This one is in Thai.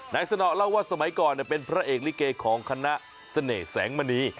สนอเล่าว่าสมัยก่อนเป็นพระเอกลิเกของคณะเสน่ห์แสงมณี